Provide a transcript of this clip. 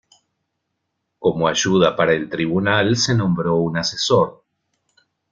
Como ayuda para el tribunal se nombró un asesor.